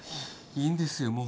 いいんですよ